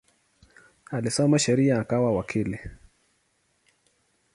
Alisoma sheria akawa wakili.